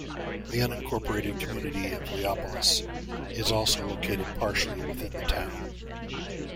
The unincorporated community of Leopolis is also located partially within the town.